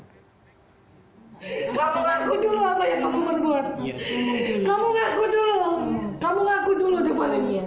kamu ngaku dulu apa yang kamu berbuat kamu ngaku dulu kamu ngaku dulu depannya